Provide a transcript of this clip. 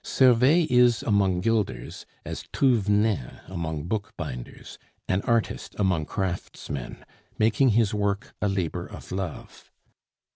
Servais is among gilders as Thouvenin among bookbinders an artist among craftsmen, making his work a labor of love.